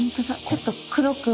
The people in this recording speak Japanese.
ちょっと黒く。